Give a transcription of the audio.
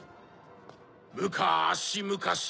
むかしむかし